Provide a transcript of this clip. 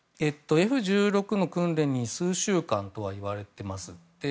Ｆ１６の訓練に数週間といわれています。